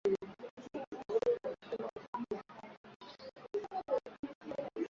ni kosa ni kosa kubwa kwa mwajiri kutowasilisha mchango wa mwanachama